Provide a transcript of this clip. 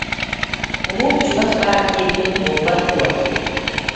Кулууп чугас баар диэбитиҥ буолбат дуо